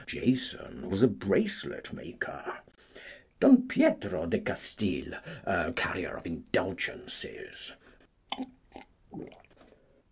Jason was a bracelet maker. Don Pietro de Castille, a carrier of indulgences.